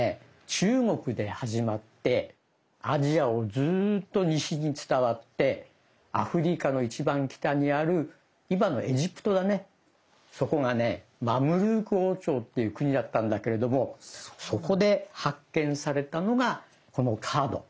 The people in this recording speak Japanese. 中国で始まってアジアをずっと西に伝わってアフリカの一番北にある今のエジプトだねそこがねマムルーク王朝っていう国だったんだけれどもそこで発見されたのがこのカード。